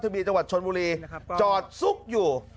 บีจังหวัดชนบุรีจอดซุกอยู่